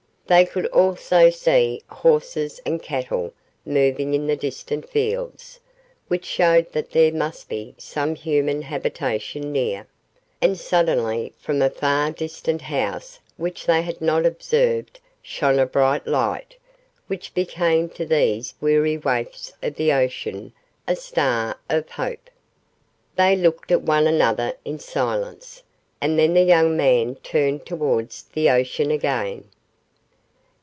They could also see horses and cattle moving in the distant fields, which showed that there must be some human habitation near, and suddenly from a far distant house which they had not observed shone a bright light, which became to these weary waifs of the ocean a star of hope. They looked at one another in silence, and then the young man turned towards the ocean again.